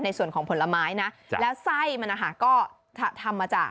ในส่วนของผลไม้นะแล้วไส้มาก็ทำมาจาก